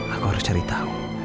aku harus cari tahu